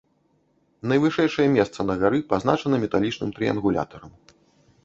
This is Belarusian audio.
Найвышэйшае месца на гары пазначана металічным трыянгулятарам.